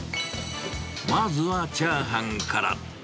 まずはチャーハンから。